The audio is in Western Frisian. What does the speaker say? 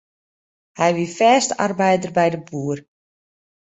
Hy wie fêste arbeider by de boer.